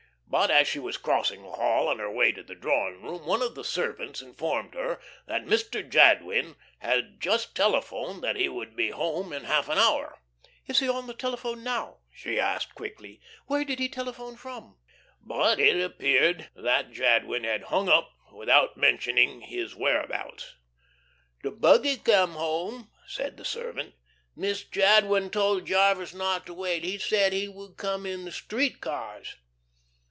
But as she was crossing the hall on her way to the drawing room, one of the servants informed her that Mr. Jadwin had just telephoned that he would be home in half an hour. "Is he on the telephone now?" she asked, quickly. "Where did he telephone from?" But it appeared that Jadwin had "hung up" without mentioning his whereabouts. "The buggy came home," said the servant. "Mr. Jadwin told Jarvis not to wait. He said he would come in the street cars."